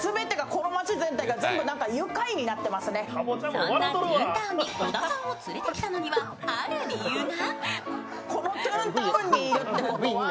そんなトゥーンタウンに小田さんを連れてきたのには、ある理由が。